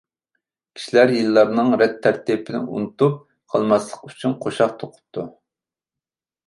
كىشىلەر يىللارنىڭ رەت تەرتىپىنى ئۇنتۇپ قالماسلىق ئۈچۈن قوشاق توقۇپتۇ.